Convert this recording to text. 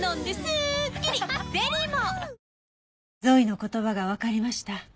ゾイの言葉がわかりました。